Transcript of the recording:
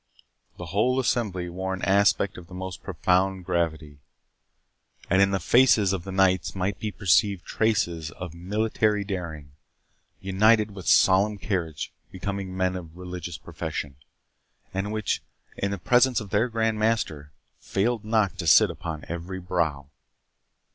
The whole assembly wore an aspect of the most profound gravity; and in the faces of the knights might be perceived traces of military daring, united with the solemn carriage becoming men of a religious profession, and which, in the presence of their Grand Master, failed not to sit upon every brow.